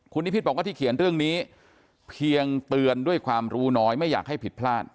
คุณนิพิษบอกว่าที่เขียนเรื่องนี้เพียงเตือนด้วยความรู้น้อยไม่อยากให้ผิดพลาด